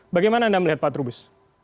bagaimana anda melihat pak trubus